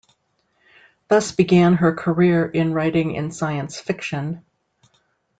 Thus began her career in writing in science fiction.